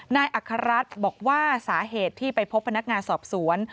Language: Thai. อัครรัฐบอกว่าสาเหตุที่ไปพบพนักงานสอบสวน